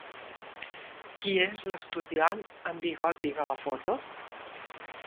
Qui és l'estudiant amb bigoti de la foto?